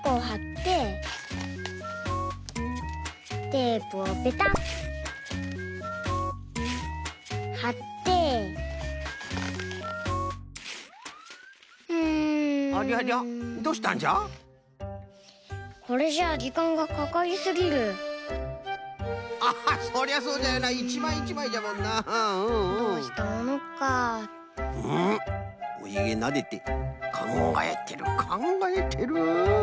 うんおひげなでてかんがえてるかんがえてる。